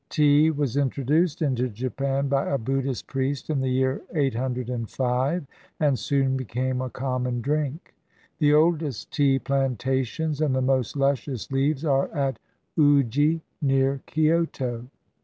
Tea was intro duced into Japan by a Buddhist priest in the year 805, and soon became a common drink. The oldest tea plantations and the most luscious leaves are at Uji, near Kioto.